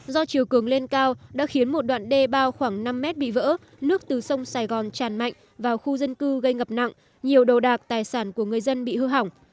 do chiều cường lên cao đã khiến một đoạn đê bao khoảng năm mét bị vỡ nước từ sông sài gòn tràn mạnh vào khu dân cư gây ngập nặng nhiều đồ đạc tài sản của người dân bị hư hỏng